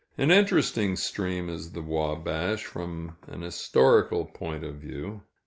An interesting stream is the Wabash, from an historical point of view.